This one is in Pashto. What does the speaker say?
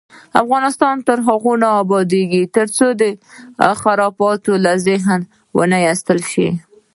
افغانستان تر هغو نه ابادیږي، ترڅو خرافات له ذهنه ونه ایستل شي.